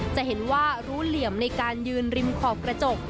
จะเห็นว่ารู้เหลี่ยมในการยืนริมขอบกระจก